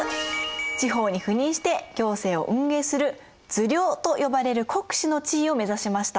地方に赴任して行政を運営する受領と呼ばれる国司の地位を目指しました。